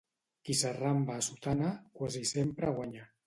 Qui s'arramba a sotana, quasi sempre guanya.